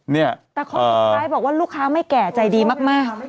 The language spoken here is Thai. แต่เขาบอกว่าลูกค้าไม่แก่ใจดีมาก